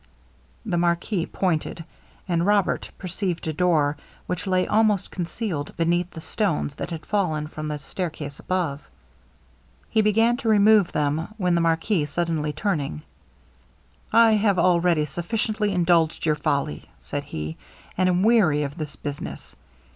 The marquis pointed, and Robert, perceived a door, which lay almost concealed beneath the stones that had fallen from the stair case above. He began to remove them, when the marquis suddenly turning 'I have already sufficiently indulged your folly,' said he, 'and am weary of this business.